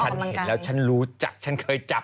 ฉันเห็นแล้วฉันรู้จักฉันเคยจับ